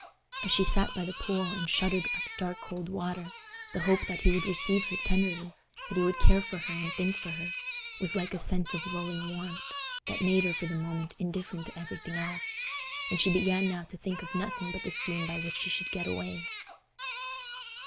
As she sat by the pool and shuddered at the dark cold water, the hope that he would receive her tenderly—that he would care for her and think for her—was like a sense of lulling warmth, that made her for the moment indifferent to everything else; and she began now to think of nothing but the scheme by which she should get away.